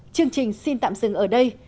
chương trình xin tạm dừng ở đây